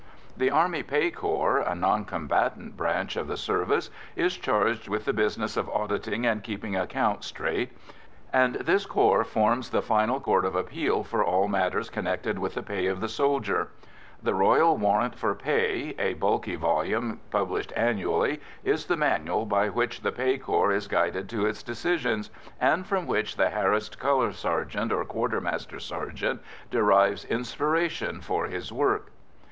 The Army Pay Corps, a non combatant branch of the service, is charged with the business of auditing and keeping accounts straight, and this corps forms the final court of appeal for all matters connected with the pay of the soldier. The Royal Warrant for Pay, a bulky volume published annually, is the manual by which the Pay Corps is guided to its decisions, and from which the harassed colour sergeant or quartermaster sergeant derives inspiration for his work.